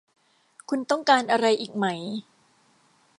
คุณต้องการอะไรอีกไหม